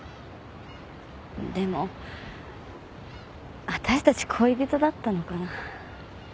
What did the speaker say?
でも私たち恋人だったのかな？